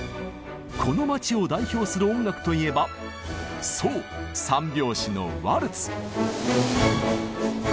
この街を代表する音楽といえばそう３拍子のワルツ！